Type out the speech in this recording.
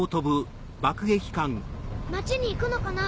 町に行くのかな？